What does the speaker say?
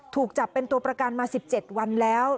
ถูกจับเป็นตัวประกันมา๑๗วันแล้ว